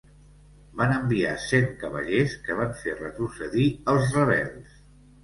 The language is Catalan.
Van enviar cent cavallers que van fer retrocedir els rebels.